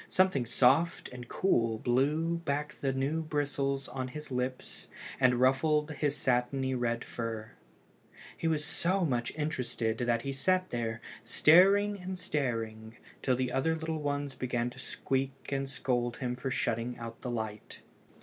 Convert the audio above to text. Something soft and cool blew back the new bristles on his lips and ruffled his satiny red fur. He was so much interested that he sat there, staring and staring, till the other little ones began to squeak and scold him for shutting out the light.